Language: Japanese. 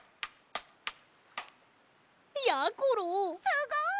すごい！